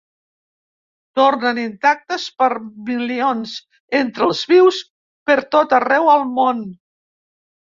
Tornen, intactes, per milions, entre els vius, per tot arreu al món.